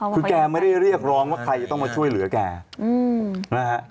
คือแกไม่ได้เรียกร้องว่าใครจะต้องมาช่วยเหลือแกนะฮะ